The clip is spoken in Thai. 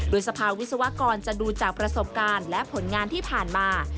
โดยสภาวิศวกรจะดูจากประสบการณ์และผลงานที่ผ่านมา